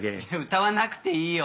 歌わなくていいよ！